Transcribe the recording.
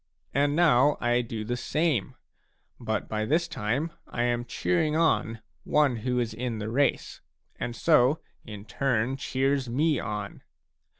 And now I do the same ; but by this time I am cheering on one who is in the race and so in turn cheers me on.